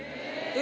え？